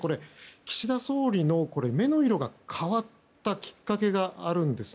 岸田総理の目の色が変わったきっかけがあるんですね。